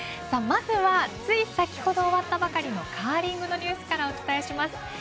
まずはつい先ほど終わったばかりのカーリングのニュースからお伝えします。